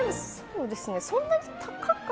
そんなに高くは。